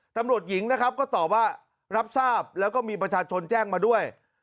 ตำรวจหญิงนะครับก็ตอบว่ารับทราบแล้วก็มีประชาชนแจ้งมาด้วย